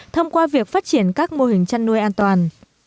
thông qua việc phát triển các mô hình chăn nuôi an toàn